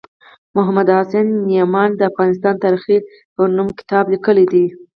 محمد حسین یمین د افغانستان تاریخي په نوم کتاب لیکلی دی